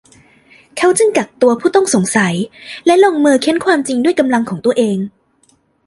เขาจึงกักตัวผู้ต้องสงสัยและลงมือเค้นความจริงด้วยกำลังของตัวเอง